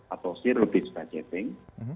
atau zero based budgeting